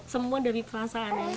semua dari perasaan ya